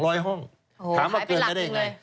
โอ้โหขายไปหลักจริงเลยถามว่าเกินได้ยังไง